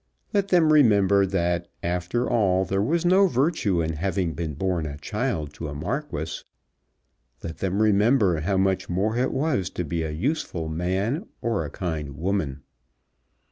Let them remember that after all there was no virtue in having been born a child to a Marquis. Let them remember how much more it was to be a useful man, or a kind woman.